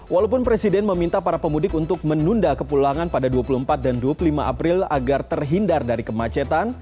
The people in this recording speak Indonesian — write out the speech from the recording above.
walaupun presiden meminta para pemudik untuk menunda kepulangan pada dua puluh empat dan dua puluh lima april agar terhindar dari kemacetan